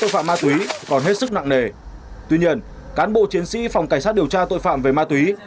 tội phạm ma túy còn hết sức nặng nề tuy nhiên cán bộ chiến sĩ phòng cảnh sát điều tra tội phạm về ma túy